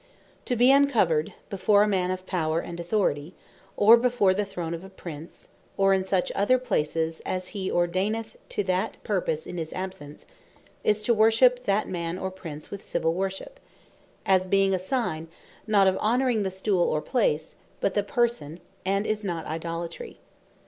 To be uncovered, before a man of Power and Authority, or before the Throne of a Prince, or in such other places as hee ordaineth to that purpose in his absence, is to Worship that man, or Prince with Civill Worship; as being a signe, not of honoring the stoole, or place, but the Person; and is not Idolatry.